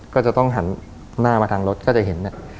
ก็จะต้องหันหน้ามาทางรถก็จะเห็นเนี่ย